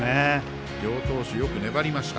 両投手、よく粘りました。